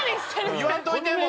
言わんといてもう。